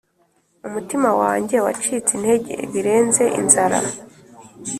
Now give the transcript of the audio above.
umutima wanjye wacitse intege birenze inzara,